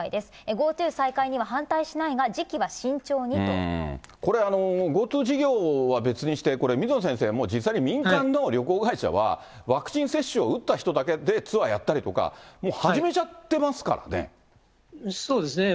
ＧｏＴｏ再開には反対しないが、これ、ＧｏＴｏ事業は別にして、これ、水野先生、実際に民間の旅行会社は、ワクチン接種を打った人だけでツアーやったりとか、そうですね。